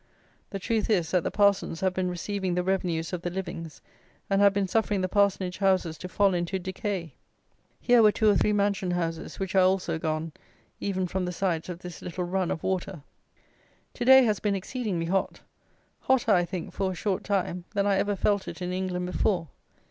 The truth is, that the parsons have been receiving the revenues of the livings, and have been suffering the parsonage houses to fall into decay. Here were two or three mansion houses, which are also gone, even from the sides of this little run of water. To day has been exceedingly hot. Hotter, I think, for a short time, than I ever felt it in England before.